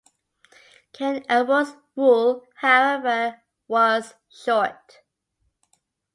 Ken Arok's rule however was short.